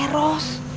kamu harus berhati hati